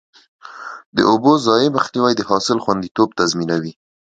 د اوبو ضایع مخنیوی د حاصل خوندیتوب تضمینوي.